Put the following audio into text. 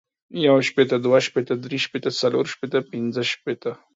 يو شپيته ، دوه شپيته ،دري شپیته ، څلور شپيته ، پنځه شپيته،